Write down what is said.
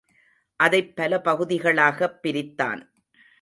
அதைப் பல பகுதிகளாகப் பிரித்தான்.